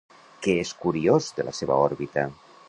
Què és curiós de la seva òrbita?